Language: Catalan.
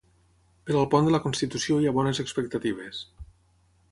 Per al pont de la Constitució hi ha bones expectatives.